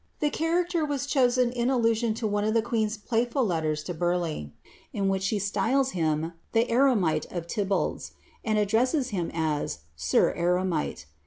The character was chosen in allusion to one of the queen's playful letters to Burleigh, in which she styles him the Eremite of Tibbals, and addresses him as ^ sir Ere mite."